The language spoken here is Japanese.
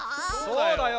そうだよ。